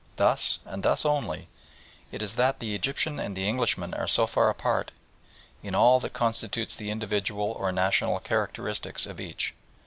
Thus, and thus only, is it that the Egyptian and the Englishman are so far apart in all that constitutes the individual or national characteristics of each.